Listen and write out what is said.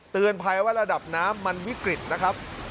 เตือนภัยว่าระดับน้ำมันวิกฤตนะครับ